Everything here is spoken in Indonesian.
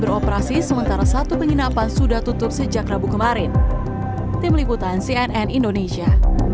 beroperasi sementara satu penginapan sudah tutup sejak rabu kemarin tim liputan cnn indonesia